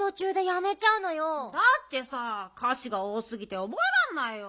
だってさかしがおおすぎておぼえらんないよ。